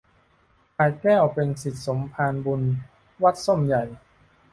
พลายแก้วเป็นศิษย์สมภารบุญ วัดส้มใหญ่